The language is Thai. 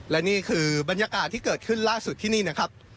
และนี่คือบรรยากาศที่เกิดขึ้นล่าสุดที่นี่นะครับ